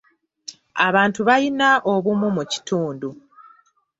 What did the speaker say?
Abantu balina obumu mu kitundu.